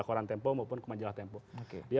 koran tempo maupun ke majalah tempo oke dia